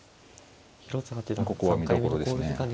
ここは見どころですね。